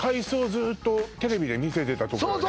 ずーっとテレビで見せてたとこだよね